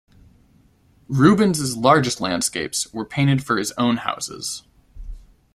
Rubens' largest landscapes were painted for his own houses.